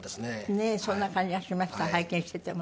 ねえそんな感じがしました拝見しててもね。